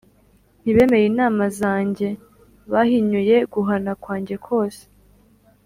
ntibemeye inama zanjye, bahinyuye guhana kwanjye kose